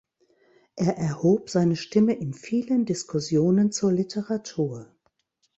Er erhob seine Stimme in vielen Diskussionen zur Literatur.